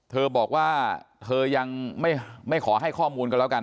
เธอบอกว่าเธอยังไม่ขอให้ข้อมูลกันแล้วกัน